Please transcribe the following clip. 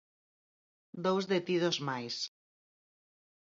Dous detidos máis.